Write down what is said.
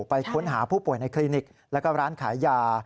ไปค้นหาผู้ป่วยในคลินิกแล้วก็ร้านขายยา